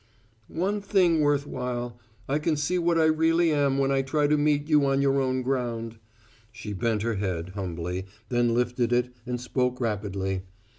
"One thing worth while: I can see what I really am when I try to meet you on your own ground." She bent her head, humbly, then lifted it, and spoke rapidly.